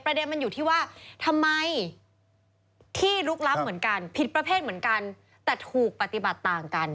เด็นมันอยู่ที่ว่าทำไมที่ลุกล้ำเหมือนกันผิดประเภทเหมือนกันแต่ถูกปฏิบัติต่างกัน